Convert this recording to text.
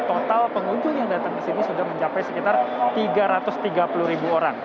total pengunjung yang datang ke sini sudah mencapai sekitar tiga ratus tiga puluh ribu orang